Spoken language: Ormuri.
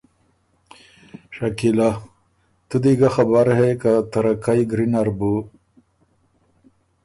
شکیلۀ: تُو دی ګۀ خبر هې که تَرَکئ ګری نر بُو